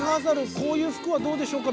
こういう服はどうでしょうか？